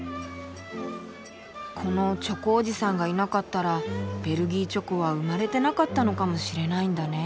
このチョコおじさんがいなかったらベルギーチョコは生まれてなかったのかもしれないんだね。